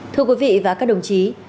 thưa quý vị và các đồng chí